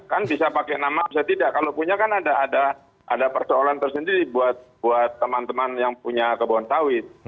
kan bisa pakai nama bisa tidak kalau punya kan ada persoalan tersendiri buat teman teman yang punya kebun sawit